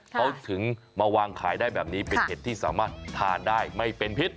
เขาถึงมาวางขายได้แบบนี้เป็นเห็ดที่สามารถทานได้ไม่เป็นพิษ